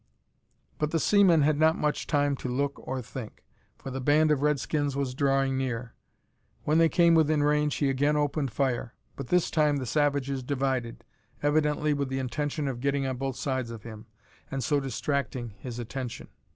But the seaman had not much time to look or think, for the band of Redskins was drawing near. When they came within range he again opened fire. But this time the savages divided, evidently with the intention of getting on both sides of him, and so distracting his attention.